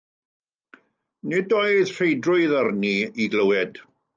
Nid oedd rheidrwydd arni i glywed.